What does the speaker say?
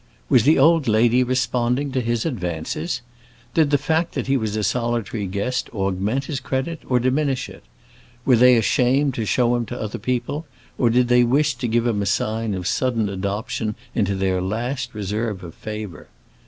Was the old lady responding to his advances? Did the fact that he was a solitary guest augment his credit or diminish it? Were they ashamed to show him to other people, or did they wish to give him a sign of sudden adoption into their last reserve of favor?